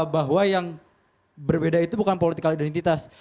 bahwa yang berbeda itu bukan politik identitas